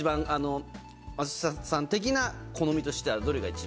松下さん的な好みとしてはどれが一番。